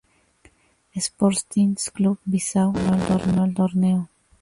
Sporting Clube Bissau abandonó el torneo.